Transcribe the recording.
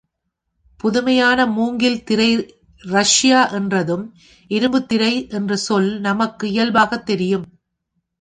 புதுமையான மூங்கில் திரை ரஷ்யா என்றதும் இரும்புத் திரை என்ற சொல் நமக்கு, இயல்பாகத் தெரியும்.